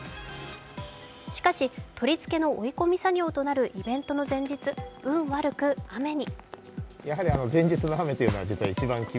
しかし、取り付けの追い込み作業となるイベントの前日、運悪く雨に。